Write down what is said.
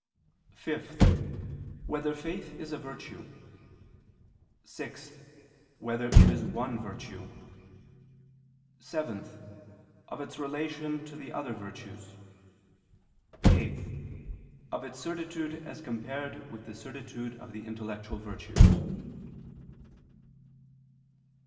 (5) Whether faith is a virtue? (6) Whether it is one virtue? (7) Of its relation to the other virtues; (8) Of its certitude as compared with the certitude of the intellectual virtues.